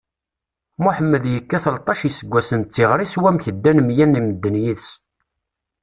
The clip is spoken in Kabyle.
Muḥemmed yekka tleṭṭac iseggasen d tiɣri s wamek ddan mya n medden yid-s.